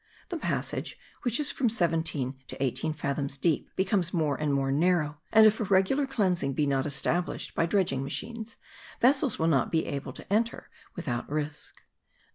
The passage, which is from seventeen to eighteen fathoms deep, becomes more and more narrow,* and if a regular cleansing be not established by dredging machines, vessels will not be able to enter without risk.